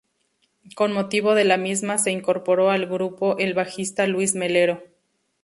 Con motivo de la misma se incorporó al grupo el bajista Luis Melero.